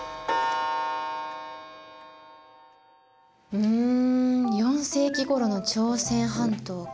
うん４世紀ごろの朝鮮半島か。